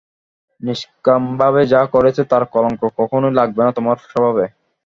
নিষ্কামভাবে যা করেছ তার কলঙ্ক কখনোই লাগবে না তোমার স্বভাবে।